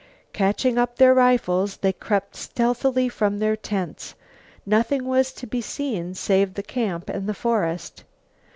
Catching up their rifles they crept stealthily from their tents. Nothing was to be seen save the camp and the forest.